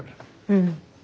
うん。